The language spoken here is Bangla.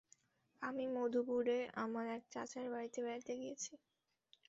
আমি মধুপুরে আমার এক চাচার বাড়িতে বেড়াতে গেছি।